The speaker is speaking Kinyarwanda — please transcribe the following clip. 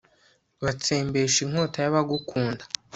batsembeshe inkota y'abagukunda